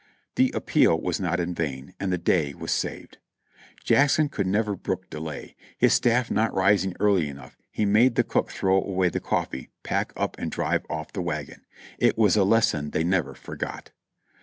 The appeal was not in vain ; and the day was saved. Jackson could never brook delay. His staff not rising early enough, he made the cook throw away the coffee, pack up and drive off in the wagon. It was a lesson they never forgot.